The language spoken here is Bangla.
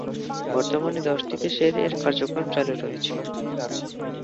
বর্তমানে দশটি দেশের এর কার্যক্রম চালু রয়েছে।